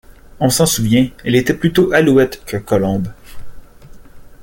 On s’en souvient, elle était plutôt alouette que colombe.